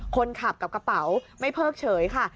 คนขับกับกระเป๋าไม่เพิกเฉยค่ะ